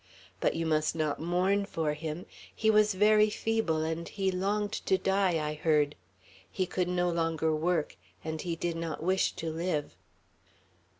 But you must not mourn for him. He was very feeble, and he longed to die, I heard. He could no longer work, and he did not wish to live."